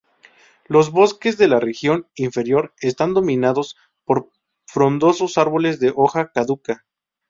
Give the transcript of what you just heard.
Los bosques de la región inferior están dominados por frondosos árboles de hoja caduca.